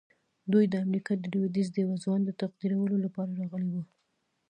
دوی د امريکا د لويديځ د يوه ځوان د تقديرولو لپاره راغلي وو.